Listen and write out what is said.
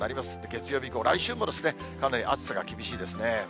月曜日以降、来週もかなり暑さが厳しいですね。